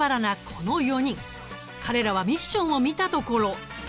彼らはミッションを見たところ。